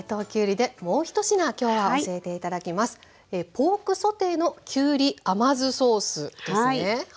ポークソテーのきゅうり甘酢ソースですね。